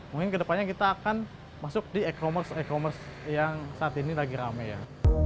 mungkin kedepannya kita akan masuk di e commerce e commerce yang saat ini lagi rame ya